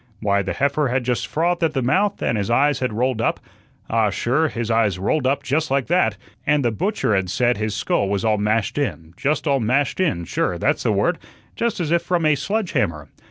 Why, the heifer had just frothed at the mouth, and his eyes had rolled up ah, sure, his eyes rolled up just like that and the butcher had said his skull was all mashed in just all mashed in, sure, that's the word just as if from a sledge hammer.